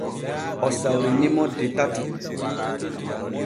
O sawrini mo de tati.